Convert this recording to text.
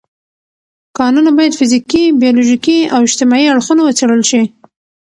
کانونه باید فزیکي، بیولوژیکي او اجتماعي اړخونه وڅېړل شي.